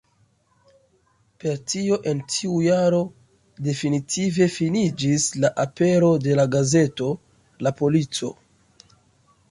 Per tio en tiu jaro definitive finiĝis la apero de la gazeto "La Polico".